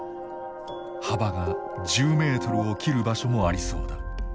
幅が１０メートルを切る場所もありそうだ。